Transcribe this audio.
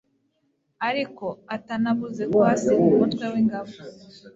ariko atanabuze kuhasiga umutwe w'ingabo